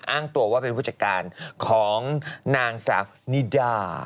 อ้างตัวว่าเป็นผู้จัดการของนางสาวนิดา